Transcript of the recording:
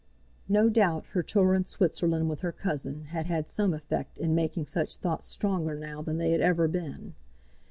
No doubt her tour in Switzerland with her cousin had had some effect in making such thoughts stronger now than they had ever been.